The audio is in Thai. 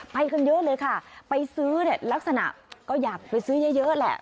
ไปกันเยอะเลยค่ะไปซื้อเนี่ยลักษณะก็อยากไปซื้อเยอะแหละ